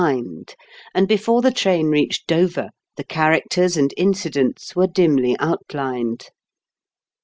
mind, and before the train reached Dover, the characters and incidents were dimly outlined.